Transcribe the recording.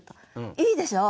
いいでしょう？